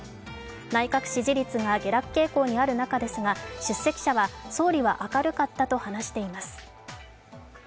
内閣支持率が下落傾向にある中ですが出席者は総理は明るかったと話しています。